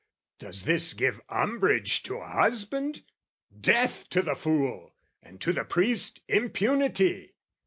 "Does this give umbrage to a husband? Death "To the fool, and to the priest impunity!